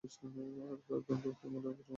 আর তোর ঠাকুরমা এখনও ব্যাচেলর।